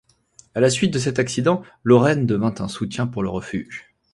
À la suite de cet accident, Lorraine devient un soutien pour le refuge.